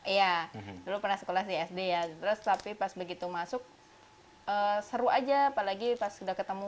iya dulu pernah sekolah di sd ya terus tapi pas begitu masuk seru aja apalagi pas sudah ketemu